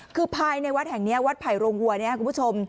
คือภายในวัดแห่งนี้วัดไผ่โรงวัวเนี่ยคุณผู้ชม